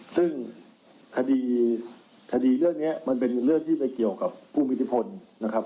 ซึ่งคดีคดีเรื่องนี้มันเป็นเรื่องที่ไปเกี่ยวกับผู้มีอิทธิพลนะครับ